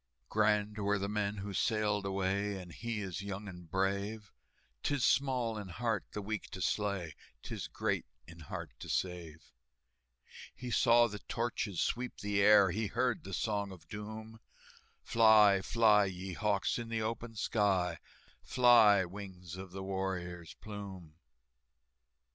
"Grand were the men who sailed away, And he is young and brave; 'Tis small in heart the weak to slay, 'Tis great in heart to save." He saw the torches sweep the air, He heard the Song of Doom, "Fly, fly, ye hawks, in the open sky, Fly, wings of the warrior's plume!"